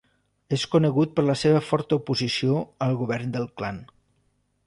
És conegut per la seva forta oposició al govern del clan.